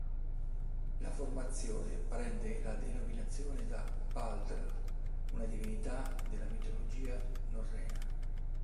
La formazione prende la denominazione da Baldr, una divinità della mitologia norrena.